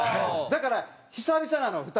だから久々なの２人。